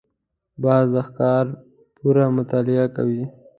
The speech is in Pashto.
باز د ښکار پوره مطالعه کوي